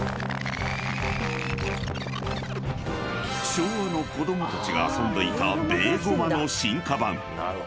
［昭和の子供たちが遊んでいたベーゴマの進化版］